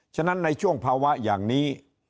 ฉะนั้นในช่วงภาวะอย่างนี้